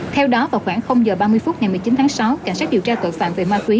theo đó vào khoảng h ba mươi phút ngày một mươi chín tháng sáu cảnh sát điều tra tội phạm về ma túy